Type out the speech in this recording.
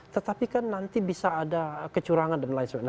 tetapi kan nanti bisa ada kecurangan dan lain sebagainya